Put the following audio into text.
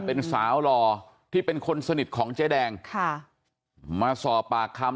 เป็นสาวหล่อที่เป็นคนสนิทของเจ๊แดงค่ะมาสอบปากคำ